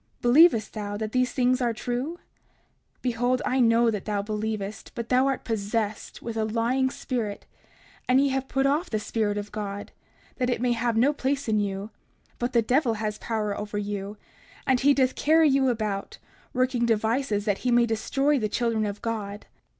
Believest thou that these things are true? 30:42 Behold, I know that thou believest, but thou art possessed with a lying spirit, and ye have put off the Spirit of God that it may have no place in you; but the devil has power over you, and he doth carry you about, working devices that he may destroy the children of God.